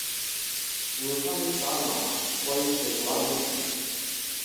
Ruhani Sharma plays his love interest.